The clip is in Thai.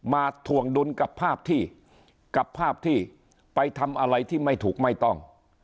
มาท่วงดุลกับภาพที่ไปทำอะไรที่ไม่ถูกไม่ต้อง